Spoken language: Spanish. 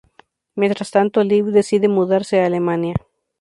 Mientras tanto Liv decide mudarse a Alemania.